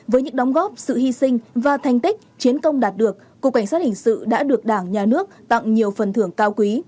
với những đóng góp sự hy sinh và thành tích chiến công đạt được cục cảnh sát hình sự đã được đảng nhà nước tặng nhiều phần thưởng cao quý